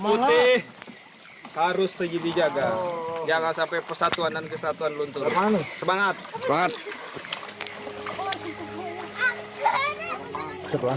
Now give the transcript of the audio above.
putih harus terjaga jangan sampai persatuan dan kesatuan luntur semangat semangat setelah